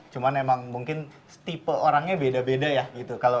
cuman emang mungkin tipe orangnya beda beda ya gitu